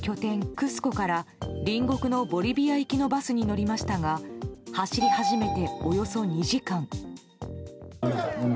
クスコから隣国のボリビア行きのバスに乗りましたが走り始めておよそ２時間。